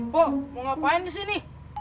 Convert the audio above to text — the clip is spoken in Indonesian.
po mau ngapain disini